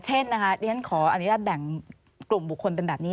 เช่นนะคะเรียนขออนุญาตแบ่งกลุ่มบุคคลเป็นแบบนี้